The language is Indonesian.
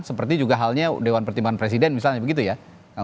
seperti juga halnya dewan pertimbangan presiden misalnya begitu ya